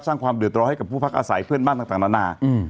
สร้างความเดือดร้อนให้กับผู้พักอาศัยเพื่อนบ้านต่างนานา